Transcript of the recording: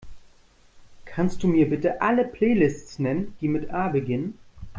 Kannst Du mir bitte alle Playlists nennen, die mit A beginnen?